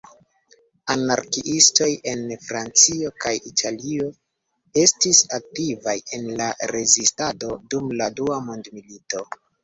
Anarkiistoj en Francio kaj Italio estis aktivaj en la Rezistado dum la Dua Mondmilito.